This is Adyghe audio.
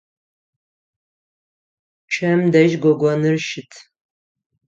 Пчъэм дэжь гогоныр щыт.